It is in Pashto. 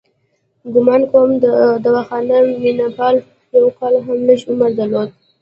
ګومان کوم دواخان مینه پال یو کال هم لږ عمر درلود.